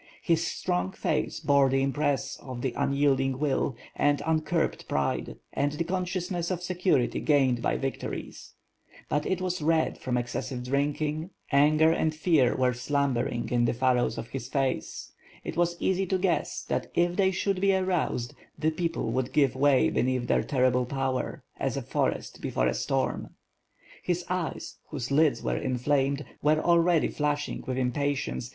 His strong face bore the impress of an unyielding will, and uncurbed pride, and the consciousness of security gained l)y victories; but it was red from excessive drinking; anger and fear were slum bering in the furrows of his face; it was easy to guess that if they should be aroused, the people would give way beneath their terrible power, as a forest before a storm; his eyes, whose lids were inflamed, were already flashing with impatience, 6oi 5o2 ^iTH FIRE AND SWORD.